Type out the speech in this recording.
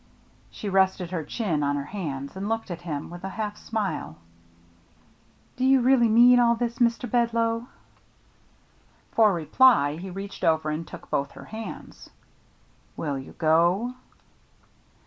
She rested her chin on her hands, and looked at him with a half smile. "Do you really mean all this, Mr. Bedloe ?" For reply, he reached over and took both her hands. " Will you go